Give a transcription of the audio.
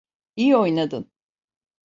İyi oynadın.